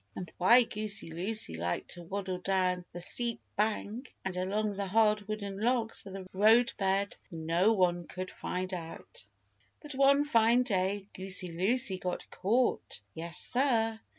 And why Goosey Lucy liked to waddle down the steep bank and along the hard wooden logs of the roadbed no one could find out. But one fine day Goosey Lucy got caught. Yes, sir.